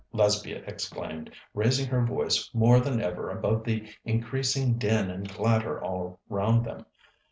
Lesbia exclaimed, raising her voice more than ever above the increasing din and clatter all round them.